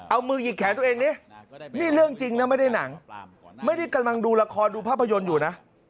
เอามือหยิกแขนตัวเองดินี่เรื่องจริงนะไม่ได้หนังไม่ได้กำลังดูละครดูภาพยนตร์อยู่นะ